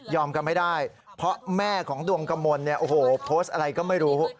กันไม่ได้เพราะแม่ของดวงกมลเนี่ยโอ้โหโพสต์อะไรก็ไม่รู้